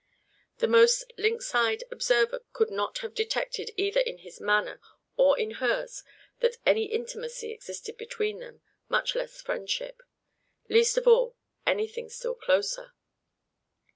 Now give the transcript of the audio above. The most lynx eyed observer could not have detected either in his manner or in hers that any intimacy existed between them, much less friendship; least of all, anything still closer.